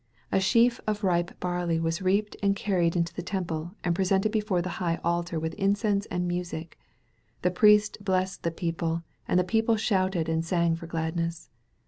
A sheaf of ripe barley was reaped and carried into the Temple and presented before the high altar with incense and music. The priests blessed the people, and the people shouted and sang for gladness.